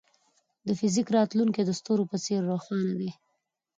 د فزیک راتلونکی د ستورو په څېر روښانه دی.